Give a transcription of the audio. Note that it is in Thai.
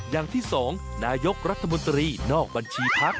อย่างที่๒นายกรัฐมนตรีนอกบัญชีพัก